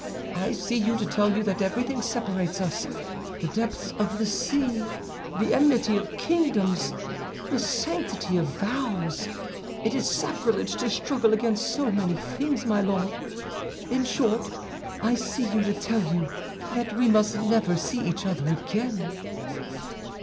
I see you to tell you that everything separates us—the depths of the sea, the enmity of kingdoms, the sanctity of vows. It is sacrilege to struggle against so many things, my Lord. In short, I see you to tell you that we must never see each other again."